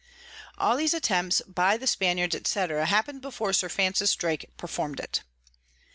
All these Attempts by the Spaniards, &c. happen'd before Sir Francis Drake perform'd it.